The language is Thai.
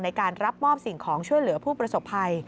ในการรับมอบสิ่งของช่วยเหลือผู้ประสบภัย